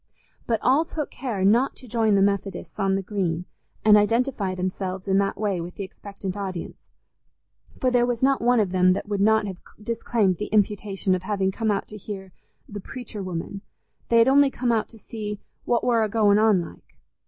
But all took care not to join the Methodists on the Green, and identify themselves in that way with the expectant audience, for there was not one of them that would not have disclaimed the imputation of having come out to hear the "preacher woman"—they had only come out to see "what war a goin' on, like."